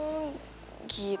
aku juga gak mau